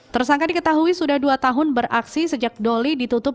tersangka diketahui sudah dua tahun beraksi sejak doli ditutup